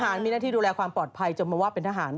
มีหน้าที่ดูแลความปลอดภัยจนมาว่าเป็นทหาร